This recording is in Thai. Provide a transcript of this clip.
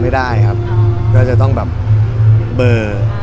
ไม่ได้ครับก็จะต้องแบบเบอร์อะไรอย่างนี้